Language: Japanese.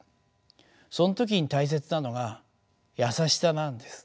その時に大切なのが優しさなんです。